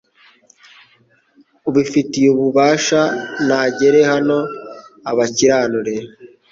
ubifitiye ububasha nagere hano abakiranure